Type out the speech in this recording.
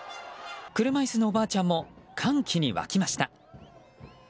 車椅子のおばあちゃんも歓喜に沸きました。